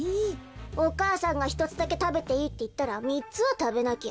お母さんが「ひとつだけたべていい」っていったらみっつはたべなきゃ。